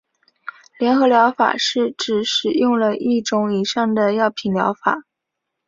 联合疗法是指使用了一种以上的药品的疗法。